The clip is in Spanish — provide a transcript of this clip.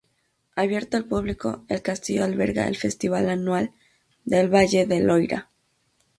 Abierto al público, el castillo alberga el Festival anual del Valle del Loira.